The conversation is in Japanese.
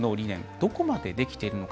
どこまでできているのか